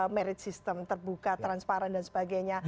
merit system terbuka transparan dan sebagainya